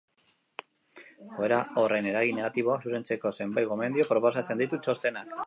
Joera horren eragin negatiboak zuzentzeko zenbait gomendio proposatzen ditu txostenak.